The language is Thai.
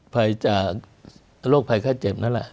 ภัยจากโรคภัยไข้เจ็บนั่นแหละ